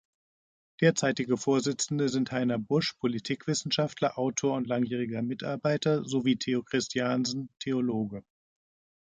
Derzeitige Vorsitzende sind Heiner Busch, Politikwissenschaftler, Autor und langjähriger Mitarbeiter sowie Theo Christiansen, Theologe.